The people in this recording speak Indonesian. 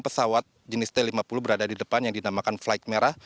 pesawat jenis t lima puluh berada di depan yang dinamakan flight merah